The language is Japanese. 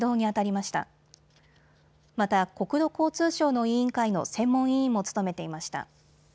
また国土交通省の委員会の専門委員も務めていました。